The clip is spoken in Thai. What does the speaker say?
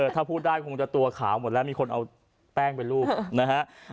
ถ้าพูดได้คงจะตัวขาวหมดแล้วมีคนเอาแป้งไปรูปนะฮะ